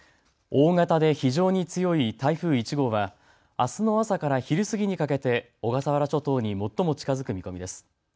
大型で非常に強い台風１号はあすの朝から昼過ぎにかけて小笠原諸島に最も近づく見込みです。